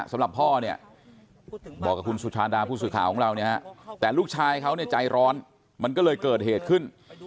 สำหรับพ่อเนี่ยบอกกับคุณสุชาดาผู้สื่อข่าวของเราเนี่ยฮะแต่ลูกชายเขาเนี่ยใจร้อนมันก็เลยเกิดเหตุขึ้น